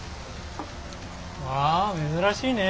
わあ珍しいねえ。